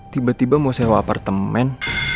tiba tiba mau sewa apartemen